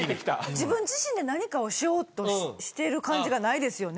自分自身で何かをしようとしてる感じがないですよね。